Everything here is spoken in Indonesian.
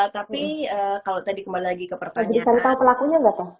tapi kalau tadi kembali lagi ke pertanyaan